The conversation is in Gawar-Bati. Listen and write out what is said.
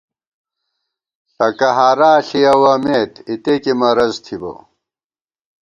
ݪکہ ہارا ݪِیَوَمېت ، اِتے کی مرَض تھِبہ